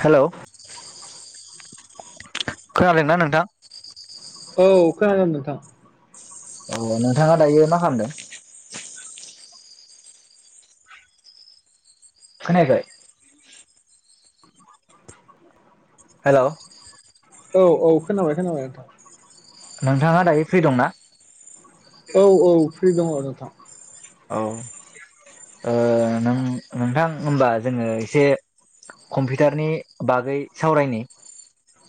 हेल‌' खोनादोंना नोंथां। औ खोनादों नोंथां। अ नोंथाङा दायो मा खालामदों। खोनायाखै। हेल' औ औ खोनाबाय खोनाबाय नोंथां। नोंथाङा दायो फ्रि दंना। औ औ फ्रि दङ नोंथां। औ ओ नों-नोंथां होमबा जोङो एसे कम्पिउटारनि बागै सावरायनि।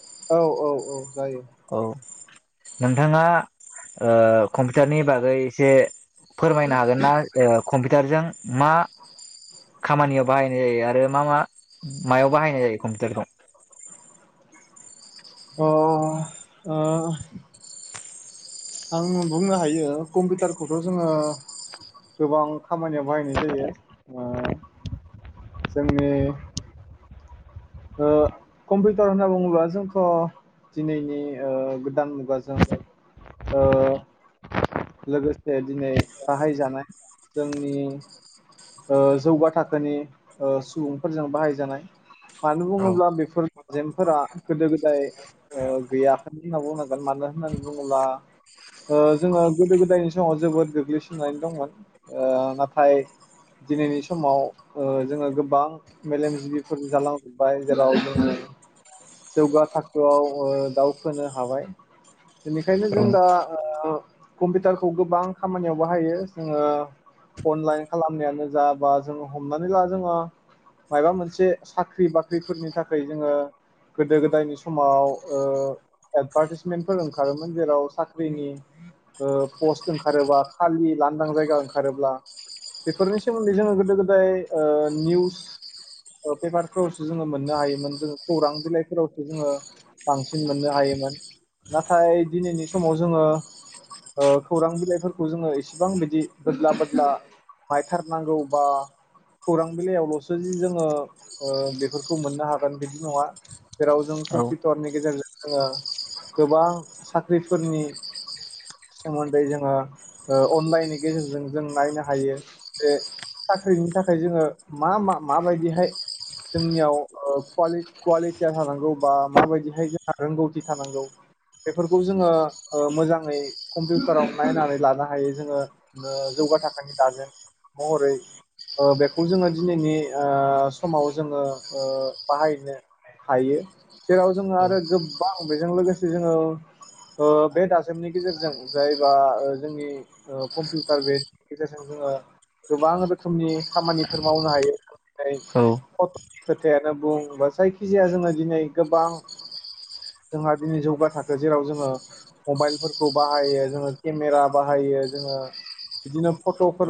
औ औ औ। जायो औ। नोंथाङा ओ कम्पिउटारनि बागै एसे। फोरमायनो हागोन ना ओ कम्पिउ टारजों मा खामानियाव बाहायनाय जायो आरो मा मा मायाव बाहायनाय जायो कम्पिउटारखौ। अ ओ। आं बुंनो हायो कम्पिउटारखौथ जोङो गोबां खामानियाव बाहायनाय जायो ओ जोंनि ओ कम्पिउटार होनना बुङोब्ला जोंथ दिनैनि ओ गोदान मुगाजों ओ लोगोसे दिनै बाहायजानाय जोंनि ओ जौगा थाखोनि ओ सुबुंफोरजों बाहायजानाय मानो औ बुङोब्ला बेफोर आइजेेंफोरा गोदो गोदाय ओ गैयाखै होनना बुंनांगोन मानो होननानै बुङोब्ला ओ जोङो गोदो गोदायनि समाव जोबोद गोग्लैसोनानै दंमोन ओ नाथाय दिनैनि समाव ओ जोङो गोबां मेलेमजिबिफोर जालांजोब्बाय जेराव जोङो जौगा थाखोआव ओ दावखोनो हाबाय बेनिखायनो औ जों दा ओ कम्पिउटारखौ गोबां खामानियाव बाहायो जोङो अनलाइन खालामनायानो जा बा जों हमनानै ला जोङो मायबा मोनसे साख्रि बाख्रिफोरनि थाखाय जोङो गोदो गोदायनि समाव ओ एदभारटिसमेन्टफोर ओंखारोमोन जेराव साख्रिनि ओ पस्ट ओंखारोबा खालि लांदां जायगा ओंखारोब्ला बेफोरनि सोमोन्दै जोङो गोदो गोदाय ओ निउस ओ पेपारफोरावसो जोङो मोननो हायोमोन जोङो खौरां बिलाइफोरावसो जोङो बांसिन मोननो हायोमोन नाथाय दिनैनि समाव जोङो ओ खौरां बिलाइफोरखौ जोङो इसिबां बिदि बोदला बोदला नाइ थारनांगौ बा खौरां बिलाइयावलसो जि जोङो ओ बेफोरखौ मोननो हागोन बिदि नङा जेराव जों औ कम्पिउटारनि गेजेरजों जोङो गोबां साख्रिफोरनि सोमोन्दै जोङो ओ अनलाइननि गेजेरजों जों नायनो हायो। जे साख्रिनि थाखाय जोङो मा माबायदिहाय जोंनियाव ओ [unintelligible] कुवालिटिया थानांगौ बा माबायदिहाय जोंहा रोंगौथि थानांगौ बेफोरखौ जोङो ओ मोजाङै कम्पिउटाराव नायनानै लानो हायो जोङो ओ जौगा थाखोनि दाजों। महरै ओ बेखौ जोङो दिनैनि ओ समाव जोङो ओ बाहायनो हायो जेराव जोङो आरो गोबां बेजों लोगोसे जोङो ओ बे दाजेमनि गेजेरजों जायबा जोंनि ओ कम्पिउटार बेनि गेजेरजों जोङो गोबां रोखोमनि खामानिफोर मावनो हायो दि फट खोथायानो बुं बा जायखिजाया जोङो दिनै गोबां जोंहा दिनै जौगा थाखो जेराव जोङो मबाइलफोरखौ बाहायो जोङो केमेरा बाहायो जोङो बिदिनो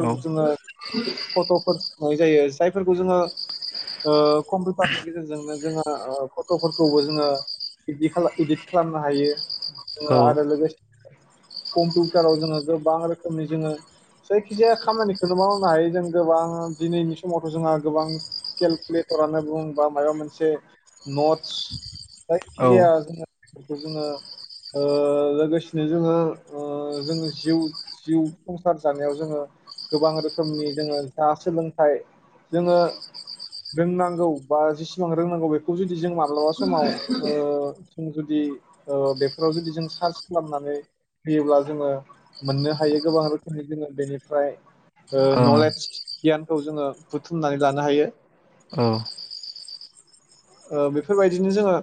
औ जोङो फटफोर होननाय जायो जायफोरखौ जोङो ओ कम्पिउटारनि गेजेरजोंनो जोङो फटफोरखौबो जोङो [unintelligible] इदित खालामनो हायो आरो लोगोसे कम्पिउटाराव जोङो गोबां रोखोमनि जोङो जायखि जाया खामानि [unintelligible] हायो जों गोबां दिनैनि समावथ जोंहा गोबां केलकुलेटरानो बुं बा माबा मोनसे नटस औ जायखिजाया जोङो बेफोरखौ जोङो ओ लोगोसेनो ओ जोङो जोङो जिउ जिउ संसार जानायाव जोङो गोबां रोखोमनि जोङो जा सोलोंथाइ जोङो रोंनांगौ बा जेसेबां रोंनांगौ बेखौ जुदि जों माब्लाबा समाव ओ जों जुदि ओ बेफोराव जुदि जों सार्च खालामनानै होयोब्ला जोङो मोननो हायो गोबां रोखोमनि जोङो बेनिफ्राय ओ ओं नलेज गियानखौ जोङो बुथुमनानै लानो हायो। ओं ओ बेफोरबायदिनो जोङो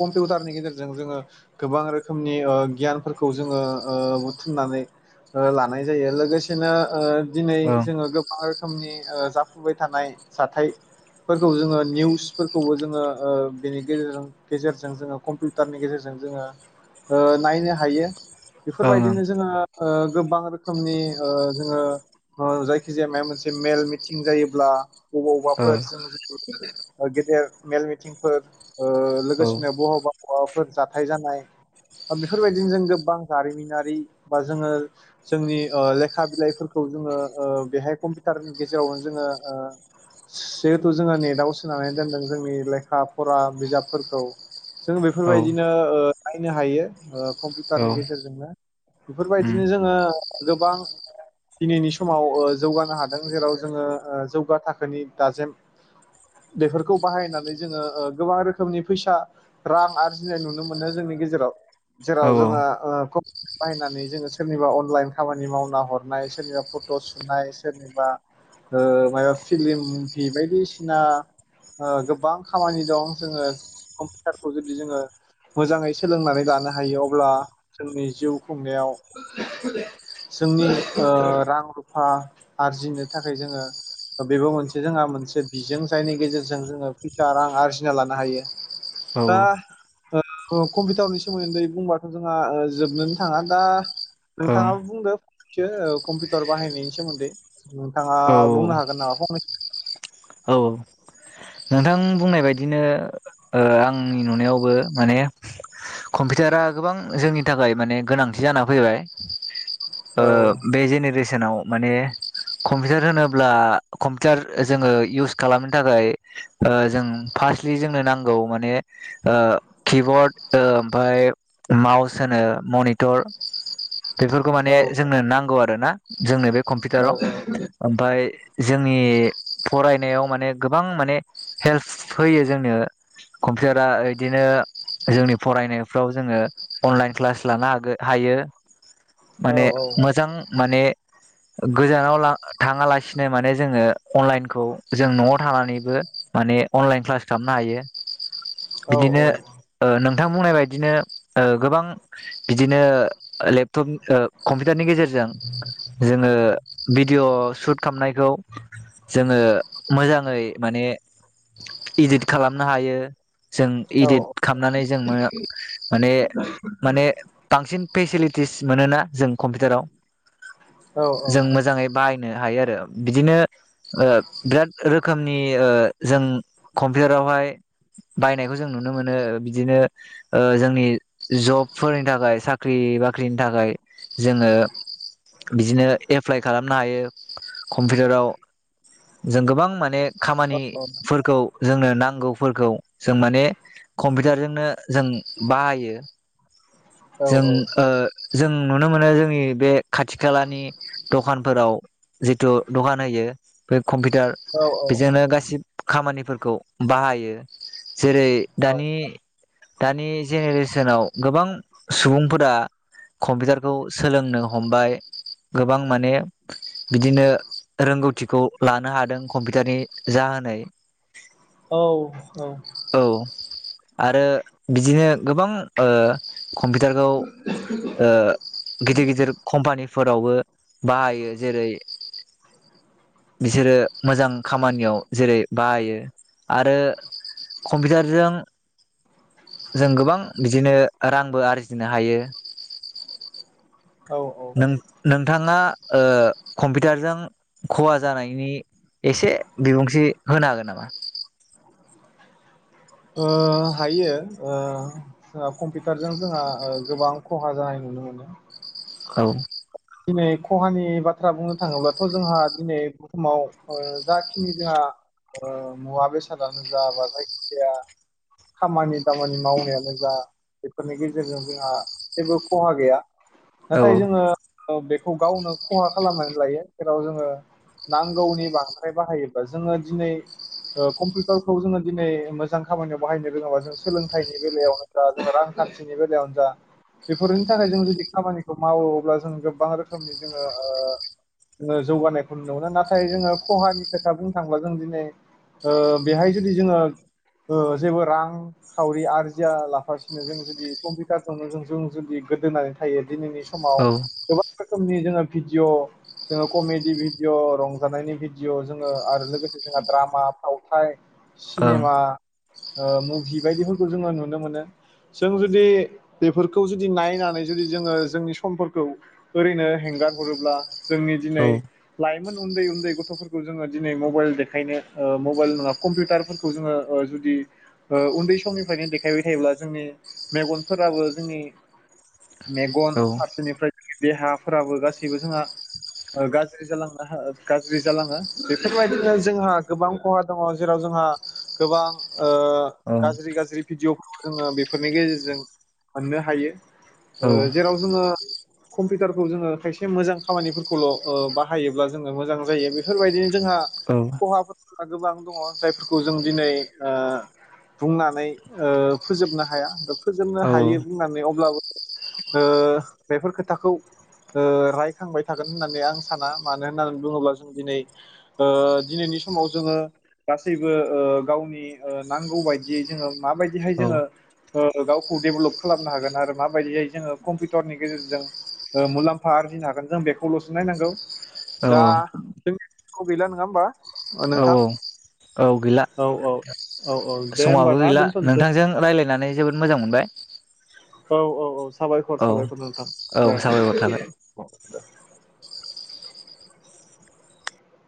कम्पिउटारनि गेजेरजों जोङो गोबां रोखोमनि ओ गियानफोरखौ जोङो ओ बुथुमनानै ओ लानाय जायो लोगोसेनो ओ दिनै ओं जोङो गोबां रोखोमनि ओ जाफुबाय थानाय जाथायफोरखौ जोङो निउ [unintelligible] फोरखौबो जोङो ओ बेनि गेजेरजों गेजेरजों जोङो कम्पिउटारनि गेजेरजों जोङो ओ नायनो हायो ओं बेफोरबायदिनो जोङो ओ गोबां रोखोमनि ओ जोङो ओ जायखि जाया मायबा मोनसे मेल मिटिं जायोब्ला ओं बबावबाफोर जों गेदेर मेल मिटिंफोर ओ औ लोगोसेनो बहाबा बहाबाफोर जाथाय जानाय बेफोरबायदिनो जों गोबां जारिमिनारि बा जोङो जोंनि ओ लेखा बिलाइफोरखौ जोङो ओ बेहाय कम्पिउटारनि गेजेरावनो जोङो ओ जिहेथु जोङो नेथआव नानै दोनदों जोंनि लेखा फरा बिजाबफोरखौ जों औ बेफोरबायदिनो ओ नायनो हायो ओ औ कम्पिउटारनि गेजेरजोंनो उम बेफोरबायदिनो जोङो गोबां दिनैनि समाव ओ जौगानो हादों जेराव जोङो ओ जौगा थाखोनि दाजेम बेफोरखौ बाहायनानै जोङो ओ गोबां रोखोमनि फैसा रां आरजिनाय नुनो मोनो जोंनि गेजेराव औ जेराव जोङा ओ कम्पुटार बाहायनानै जोङो सोरनिबा अनलाइन खामानि मावना हरनाय सोरनिबा फट सुनाय सोरनिबा ओ मा फिलिम बायदिसि सिना ओ गोबां खामानि दं जोङो कम्पिउटारखौ जुदि जोङो मोजाङै सोलोंनानै लानो हायो अब्ला जोंनि जिउ खुंनायाव जोंनि ओ रां रुफा आरजिनो थाखाय जोङो बेबो मोनसे जोंहा मोनसे बिजों जायनि गेजेरजों जोङो फैसा रां आरजिना लानो हायो औ दा नंगौ कम्पिउटारनि सोमोन्दै बुंबाथ जोंहा ओ जोबनोनो थाङा दा ओं नोंथाङाबो बुंदो फंनैसो ओ कम्पिउटार बाहायनायनि सोमोन्दै नोंथाङा औ बुंनो हागोन नामा फंनै औ नोंथां बुंनाय बायदिनो ओ आंनि नुनायावबो माने कम्पिउटारा गोबां जोंनि थाखाय माने गोनांथि जाना फैबाय। ओ औ बे जेनेरेसनाव माने कम्पिउटार होनोब्ला कम्पिटार जोङो इउस खालामनो थाखाय। ओ जों स्लि जोंनो नांगौ माने ओ किबर्ड ओ ओमफफ्राय माउस होनो मनिटर बेफोरखौ माने औ जोंनो नांगौ आ [unintelligible] ना जोंनो बे औ कम्पिउटाराव ओमफफ्राय जोंनि फरायनायाव माने गोबां माने हेल्स फैयो जोंनो कम्पिउटारा बिदिनो जोंनि फरायनायफ्राव जोङो अनलाइन क्लास लानो हागो हायो। औ माने मोजां माने गोजानाव ला थाङालासिनो माने जोङो अनलाइनखौ जों नआव थानानैबो माने अनलाइन क्लास खालामनो हायो। औ बिदिनो ओ नों थां बुंनाय बायदिनो ओ गोबां बिदिनो लेपटप ओ कम्पिउटारनि गेजेरजों जोङो भिडिअ सुत खालामनायखौ जोङो मोजाङै माने इदित खालामनो हायो जों इदित खालामनानै जों माने माने बांसिन फेसिलितिस मोनोना जों कम्पिउटाराव औ जों मोजाङै बाहायनो हायो आरो बिदिनो ओ बिरात रो खोमनि ओ जों कम्पिउटारावहाय बायनायखौ जों नुनो मोनो बिदिनो जोंनि जबफोरनि थाखाय साख्रि बाख्रिनि थाखाय जोङो बिदिनो एप्लाइ खालामनो हायो कम्पिउटाराव जों गोबां माने खामानि फोरखौ जोंनो नांगौफोरखौ जों माने कम्पिउटारजोंनो जों बाहायो औ जों ओ जों नुनो मोनो जोंनि बे खाथि खालानि दखानफोराव जिथु दखान होयो बे कम्पिउटार बेजोंनो गासि खामानिफोरखौ बाहायो जेरै दानि दानि जेनेरेस सोनाव गोबां सुबुंफोरा कम्पिउटारखौ सोलोंनो हमबाय गोबां माने बिदिनो रोंगौथिखौ लानो हादों कम्पिउटारनि जाहोन औ औ औ आरो बिदिनो गोबां ओ कम्पिउटारखौ ओ गिदिर गिदिर कम्पानि फोरावबो बाहायो जेरै बिसोरो मोजां खामानियाव जेरै बाहायो आरो कम्पिउटारजों जों गोबां बिदिनो रांबो आरजिनो हायो औ औ नों नोंथाङा ओ कम्पिउटारजों खहा जानायनि एसे बिबुंथि होनो हागोन नामा ओ हायो ओ-ओ कम्पिउटारजों जोंहा ओ गोबां खहा जानाय नुनो मोनो औ दिनै खहानि बाथ्रा बुंनो थाङोब्लाथ जोंहा दिनै बुहुमाव जाखिनि जोंहा ओ मुवा बेसादानो जा बा जायखिजाया खामानि दामानि मावनायानो जा बेफोरनि गेजेरजों जोंहा जेबो खहा गैया औ नाथाय जोङो बेखौ गावनो खहा खालामनानै लायो जेराव जोङो नांगौनि बांद्राय बाहायोबा जोङो दिनै ओ कम्पिउटारखौ जोङो दिनै मोजां खामानियाव बाहायनो रोङाबा जों सोलोंथाइनि बेलायावनो जा जोङो रांखान्थिनि बेलायावनो जा बेफोरनि थाखाय जों जुदि खामानिखौ मावो अब्ला जों गोबां रोखोमनि जोङो ओ जौगानायखौ नुनो मोनो नाथाय जोङो खहानि खोथा बुंनो थांबा जों दिनै ओ बेहाय जुदि जोङो ओ जेबो रां खावरि आरजिया लाफासिनो जों जुदि कम्पिउटारखौनो जों जों जुदि गोदोनानै थायो दिनैनि समाव औ रौखोमनि जोङो भिडअ जोङो कमेडि भिडिअ रंजानायनि भिडअ जोङो आरो लो लोगोसे जोंहा द्रामा फाव थाइ ओं सिनेमा ओ मुभि बायदिफोरखौ जोङो नुनो मोनो जों जुदि बेफोरखौ जुदि नायनानै जुदि जोङो जोंनि समफोरखौ ओरैनो हेंगार हरोब्ला जोंनि दिनै औ लाइप मोन उन्दै उन्दै गथफोरखौ जोङो दिनै मबाइल देखायनो ओ मबाइल नङा कम्पिउटारफोरखौ जोङो ओ जुदि ओ उन्दै समनिफ्रायनो देखायबाय थायोब्ला जोंनि मेगनफोराबो जोंनि मेगन औ ओं फारसेनिफ्राय देहाफोराबो गासैबो जोंहा ओ गाज्रि जालांनो गाज्रि जालाङो। बेफोरबायदिनो जोंहा गोबां खहा दङ जेराव जोंहा गोबां ओ गाज्रि गाज्रि भिडिअ जोङो बेफोरनि गेजेरजों मोन्नो हायो। औ ओ जेराव जोङो कम्पिउटारखौ जोङो खायसे मोजां खामानिफोरखौल ओ बाहायोब्ला जोङो मोजां जायो बेफोरबायदि जोंहा औ खहा गोबां दङ जायफोरखौ जों दिनै ओ बुंनानै ओ फोजोबनो हाया फोजोबनो औ हायो बुंनानै [unintelligible] ओ बेफोर खोथाखौ ओ रायखांबाय थागोन होन्नानै आं साना। मानो होन्नानै बुङोब्ला जों दिनै ओ दिनैनि समाव जोङो गासैबो ओ गावनि ओ नांगौ बायदियै जोङो माबायदिहाय जोङो ओ गावखौ डेभेलप खालामनो हागोन आरो माबायदियाय जोङो कम्पिउटारनि गेजेरजों ओ मुलाम्फा आर्जिनो हागोन जों बेखौलसो नायनांगौ। औ दा औ [unintelligible] जों गैला नङा होमबा नोंथां? औ औ गैला औ औ। औ दे होमबा समाबो ना गैला दोनथ'नोसै नोंथांजों रायलायनानै जोबोद मोजां मोनबाय। औ औ औ साबायखर औ साबायखर नोंथां औ साबायखर थाबाय। दे।